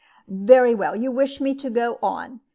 "Very well; you wish me to go on.